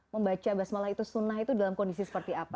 membaca basmalah itu sunnah itu dalam kondisi seperti apa